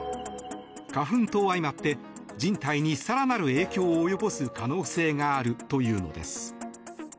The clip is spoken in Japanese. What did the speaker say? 花粉と相まって人体に更なる影響を及ぼす可能性があるというのです。